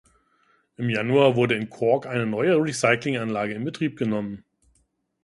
Im Januar wurde in Cork eine neue Recycling-Anlage in Betrieb genommen.